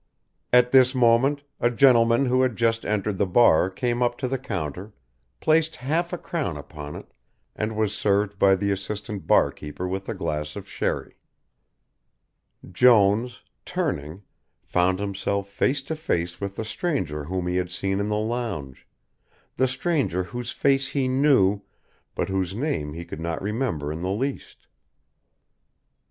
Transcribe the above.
At this moment a gentleman who had just entered the bar came up to the counter, placed half a crown upon it and was served by the assistant bar keeper with a glass of sherry. Jones, turning, found himself face to face with the stranger whom he had seen in the lounge, the stranger whose face he knew but whose name he could not remember in the least.